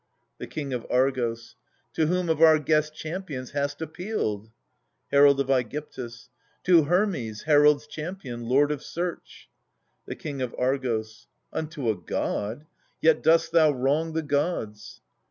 The King of Argos. To whom of our guest champions hast appealed ? Herald of ^gyptus. To Hermes, herald's champion, lord of search. The King of Argos. Unto a god. Yet dost thou wrong the gods.